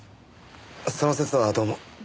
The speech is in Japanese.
その節はどうも。